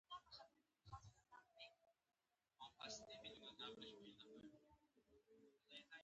د جون ملګري وایی هغه رښتینی دوست و